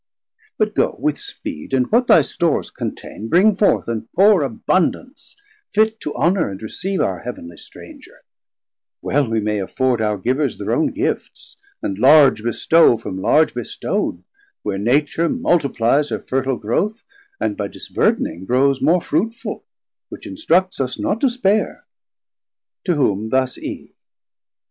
But goe with speed, And what thy stores contain, bring forth and poure Abundance, fit to honour and receive Our Heav'nly stranger; well we may afford Our givers thir own gifts, and large bestow From large bestowd, where Nature multiplies Her fertil growth, and by disburd'ning grows More fruitful, which instructs us not to spare. 320 To whom thus Eve.